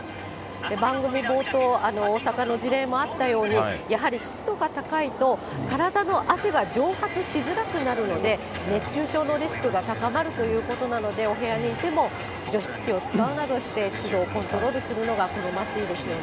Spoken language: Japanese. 番組冒頭、大阪の事例もあったように、やはり湿度が高いと、体の汗が蒸発しづらくなるので、熱中症のリスクが高まるということなので、お部屋にいても除湿器を使うなどして、湿度をコントロールするのが望ましいですよね。